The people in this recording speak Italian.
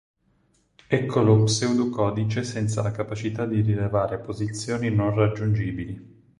Ecco lo pseudocodice senza la capacità di rilevare posizioni non raggiungibili.